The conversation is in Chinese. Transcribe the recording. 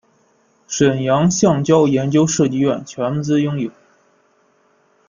沈阳橡胶研究设计院全资拥有。